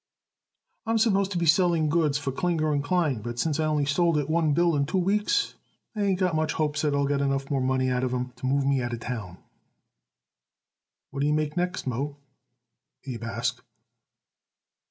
"I'm supposed to be selling goods for Klinger & Klein, but since I only sold it one bill in two weeks I ain't got much hopes that I'll get enough more money out of 'em to move me out of town." "What do you make next, Moe?" Abe asked.